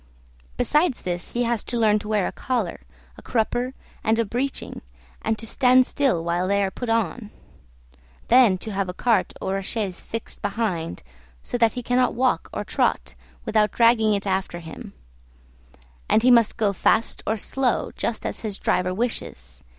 Besides this he has to learn to wear a collar, a crupper, and a breeching, and to stand still while they are put on; then to have a cart or a chaise fixed behind, so that he cannot walk or trot without dragging it after him; and he must go fast or slow, just as his driver wishes.